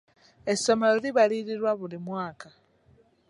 Essomero libalirirwa buli mwaka.